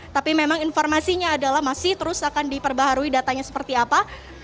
tapi memang informasinya adalah masih terus akan diperbaharui datanya seperti apa